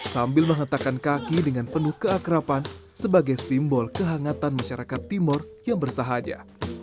sambil mengatakan kaki dengan penuh keakrapan sebagai simbol kehangatan masyarakat timur yang bersahaja